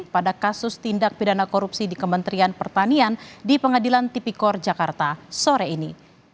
pada kasus tindak pidana korupsi di kementerian pertanian di pengadilan tipikor jakarta sore ini